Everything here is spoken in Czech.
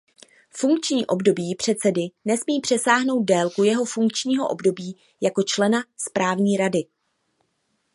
Funkční období předsedy nesmí přesáhnout délku jeho funkčního období jako člena správní rady.